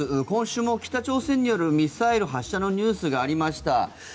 今週も北朝鮮によるミサイル発射のニュースがありました。